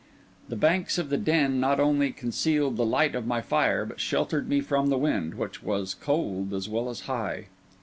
The banks of the den not only concealed the light of my fire, but sheltered me from the wind, which was cold as well as high.